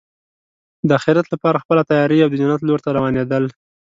د اخرت لپاره خپله تیاری او د جنت لور ته روانېدل.